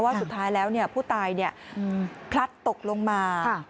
สุดท้ายแล้วผู้ตายพลัดตกลงมา